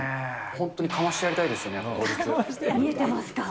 本当にかましてやりたいですよね、見えてますか？